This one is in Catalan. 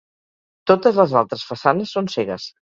Totes les altres façanes són cegues.